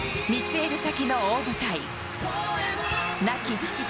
見据える先の大舞台。